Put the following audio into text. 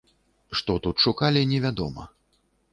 Што тут шукалі, невядома.